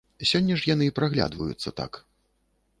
Сёння ж яны праглядваюцца так.